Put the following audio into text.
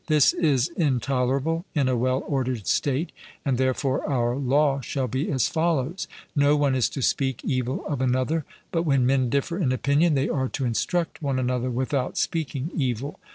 This is intolerable in a well ordered state; and therefore our law shall be as follows: No one is to speak evil of another, but when men differ in opinion they are to instruct one another without speaking evil.